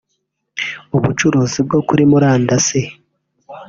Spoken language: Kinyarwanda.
ubucuruzi bwo kuri murandasi